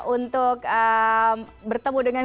untuk bertemu dengan